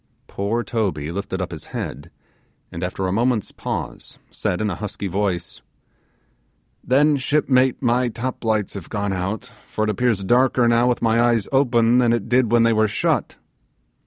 Poor Toby lifted up his head, and after a moment's pause said, in a husky voice, 'Then, shipmate, my toplights have gone out, for it appears darker now with my eyes open that it did when they were shut.